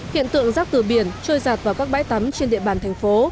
hiện tượng rác từ biển trôi giạt vào các bãi tắm trên địa bàn thành phố